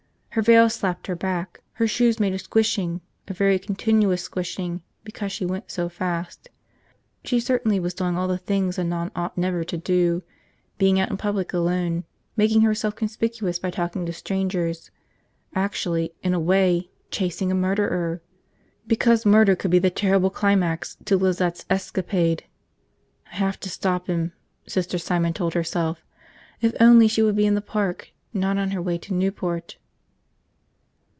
Her veil slapped her back, her shoes made a squishing, a very continuous squishing because she went so fast. She certainly was doing all the things a nun ought never to do – being out in public alone, making herself conspicuous by talking to strangers – actually, in a way, chasing a murderer! Because murder could be the terrible climax to Lizette's escapade. I have to stop him, Sister Simon told herself, if only she would be in the park, not on her way to Newport.